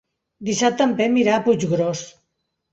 Dissabte en Pep irà a Puiggròs.